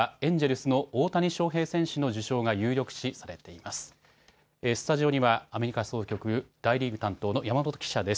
スタジオにはアメリカ総局大リーグ担当の山本記者です。